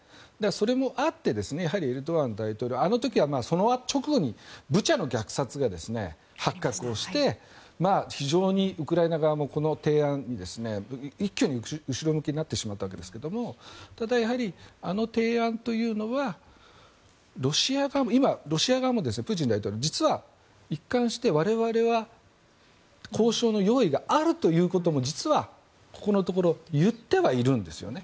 それもあってやはりエルドアン大統領あの時はその直後にブチャの虐殺が発覚をして非常にウクライナ側もこの提案に一挙に後ろ向きになってしまったわけですがただ、やはりあの提案というのはロシア側も実はプーチン大統領一貫して我々は交渉の用意があるということも実はここのところ言ってはいるんです。